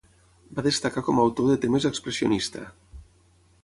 Va destacar com a autor de temes expressionista.